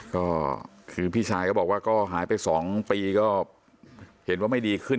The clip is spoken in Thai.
ก็คือพี่ชายก็บอกว่าก็หายไป๒ปีก็เห็นว่าไม่ดีขึ้น